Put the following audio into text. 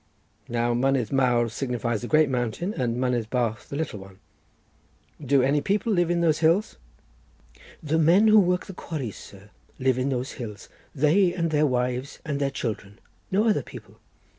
Now Mynydd Mawr signifies the great mountain, and Mynydd Bach the little one. "Do any people live in those hills?" "The men who work the quarries, sir, live in those hills. They and their wives and their children. No other people."